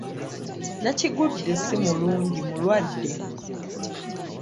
Nakigudde si mulungi mulwadde.